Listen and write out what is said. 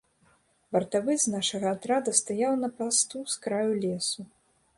Вартавы з нашага атрада стаяў на пасту з краю лесу.